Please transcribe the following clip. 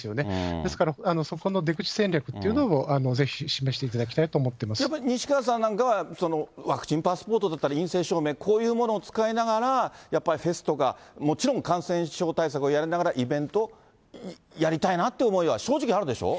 ですからそこの出口戦略っていうのをぜひ示していただきたいと思やっぱり、西川さんなんかは、ワクチンパスポートだったり、陰性証明、こういうものを使いながら、やっぱりフェスとか、もちろん感染症対策をやりながら、イベントやりたいなという思いは正直あるでしょう。